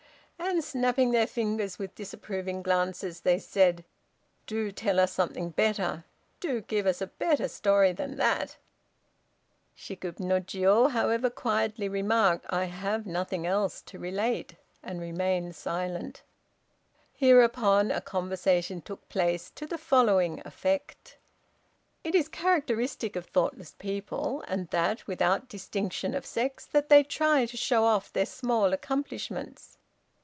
And, snapping their fingers with disapproving glances, they said, "Do tell us something better do give us a better story than that." Shikib no Jiô, however, quietly remarked: "I have nothing else to relate," and remained silent. Hereupon a conversation took place to the following effect: "It is a characteristic of thoughtless people and that, without distinction of sex that they try to show off their small accomplishments.